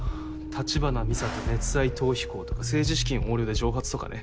「橘美沙と熱愛逃避行！」とか「政治資金横領で蒸発！」とかね。